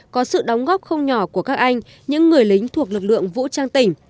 có sự đóng góp không nhỏ của các anh những người lính thuộc lực lượng vũ trang tỉnh